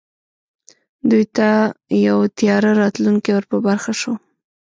دوی ته یو تیاره راتلونکی ور په برخه شو